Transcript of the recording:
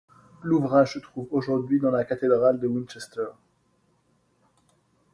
L'ouvrage se trouve aujourd'hui dans la cathédrale de Winchester.